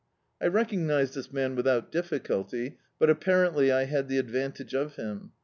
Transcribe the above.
I recognised this man without difficulty, but ap parently had the advantage of him.